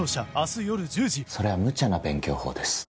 それはむちゃな勉強法です。